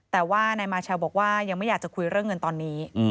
แต่ว่านายมาเชลบอกว่ายังไม่อยากจะคุยเรื่องเงินตอนนี้